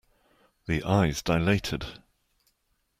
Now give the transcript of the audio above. The eyes dilated.